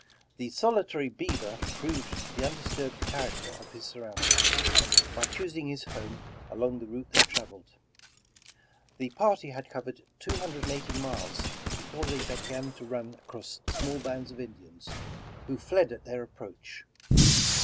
The solitary beaver proved the undisturbed charac ter of his surroundings, by choosing his home along the route they traveled. The party had covered two hun dred and eighty miles before they began to run across small bands of Indians, who fled at their approach.